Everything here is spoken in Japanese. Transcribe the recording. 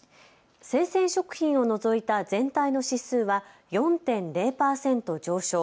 生鮮食品を除いた全体の指数は４．０％上昇。